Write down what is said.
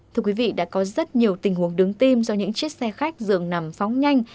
thưa quý vị đã có rất nhiều tình huống đứng tim do những chiếc xe khách dường nằm phóng nhanh